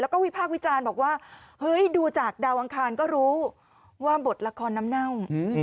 แล้วก็วิพากษ์วิจารณ์บอกว่าเฮ้ยดูจากดาวอังคารก็รู้ว่าบทละครน้ำเน่า